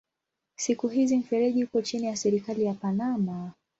Siku hizi mfereji uko chini ya serikali ya Panama.